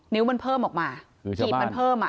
นิ้วมันเพิ่มออกมาขีบมันเพิ่มอ่ะ